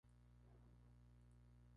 El equipo compite en LaLiga Santander.